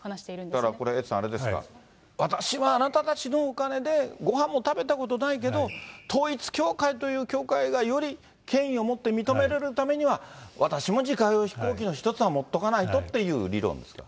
だからこれ、エイトさん、あれですか、私はあなたたちのお金でごはんも食べたことないけど、統一教会という教会がより権威をもって認められるためには、私も自家用飛行機の１つは持っとかないとという理論ですか。